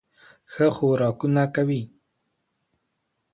ښه خوراکونه کوي